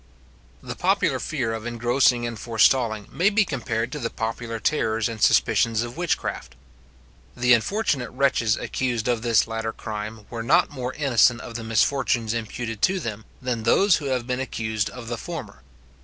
The popular fear of engrossing and forestalling may be compared to the popular terrors and suspicions of witchcraft. The unfortunate wretches accused of this latter crime were not more innocent of the misfortunes imputed to them, than those who have been accused of the former.